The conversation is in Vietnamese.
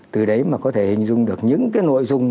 từ đấy mà có thể hình dung được những cái nội dung